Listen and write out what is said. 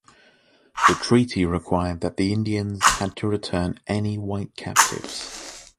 The treaty required that the Indians had to return any white captives.